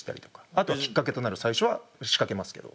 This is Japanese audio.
あとはきっかけとなる最初は仕掛けますけど。